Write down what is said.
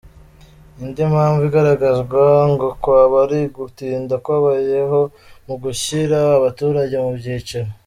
Indi mpamvu igaragazwa ngo kwaba ari ugutinda kwabayeho mu gushyira abaturage mu byiciro.